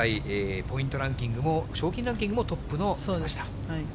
現在、ポイントランキングも、賞金ランキングもトップの山下。